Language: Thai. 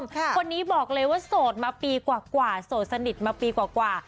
คนนี้บอกเลยว่าโสดมาปีกว่าโสดสนิทมาปีกว่า